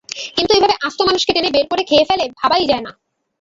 কিন্তু এভাবে আস্ত মানুষকে টেনে বের করে খেয়ে ফেলে, ভাবাই যায় না।